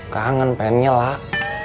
kangen pengennya lah